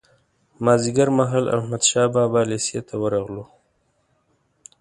مازیګر مهال احمدشاه بابا لېسې ته ورغلو.